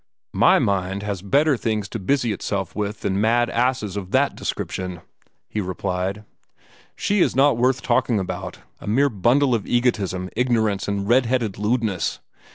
"My mind has better things to busy itself with than mad asses of that description," he replied. "She is not worth talking about a mere bundle of egotism, ignorance, and red headed lewdness.